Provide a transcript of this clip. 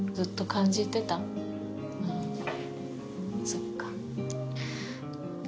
そっか。